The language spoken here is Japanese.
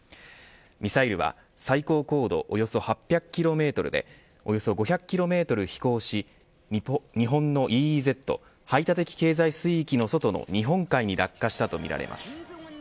ミサイルは最高高度およそ８００キロメートルでおよそ５００キロメートル飛行し日本のＥＥＺ排他的経済水域の外の日本海に落下したとみられます。